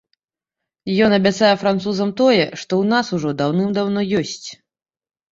Ён абяцае французам тое, што ў нас ужо даўным даўно ёсць.